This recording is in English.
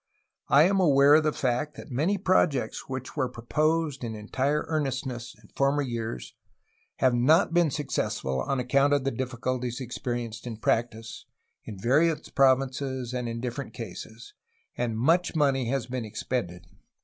I am aware of the fact that many projects which were proposed in entire earnestness in former years have not been successful on account of the difficulties experienced in practice, in various provinces and in different cases, and much money has been expended.